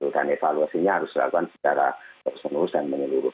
dan evaluasinya harus dilakukan secara terus menerus dan menyeluruh